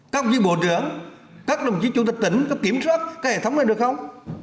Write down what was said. các vị bộ trưởng các đồng chí chủ tịch tỉnh có kiểm soát các hệ thống này được không